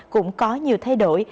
cũng có nhiều thay đổi